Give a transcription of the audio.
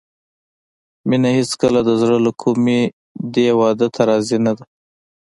مينه هېڅکله د زړه له کومې دې واده ته راضي نه ده